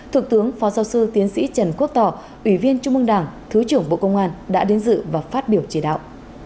thượng tướng phó giáo sư tiến sĩ trần quốc tỏ ủy viên trung mương đảng thứ trưởng bộ công an đã đến dự và phát biểu chỉ đạo